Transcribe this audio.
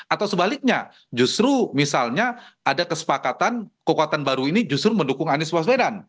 atau sebaliknya justru misalnya ada kesepakatan kekuatan baru ini justru mendukung anies waswedan